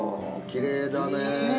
きれいだね。